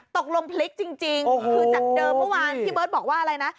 ตกลงพลิกจริงคือจากเดิมเมื่อวานพี่เบิร์ตบอกว่าอะไรนะ